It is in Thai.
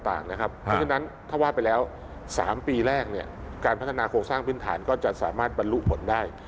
เพราะฉะนั้นถ้าวาดไปแล้ว๓ปีแรกการพัฒนาโครงสร้างพื้นฐานก็จะสามารถบรรลุผลได้